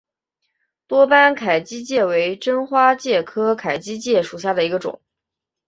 多斑凯基介为真花介科凯基介属下的一个种。